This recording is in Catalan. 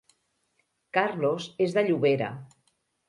Carlos és de Llobera